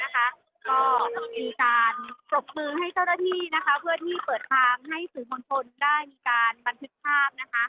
ก็มีการปรบมือให้เจ้าหน้าที่เพื่อที่เปิดทางให้สื่อมวลชนได้มีการบันทึกภาพ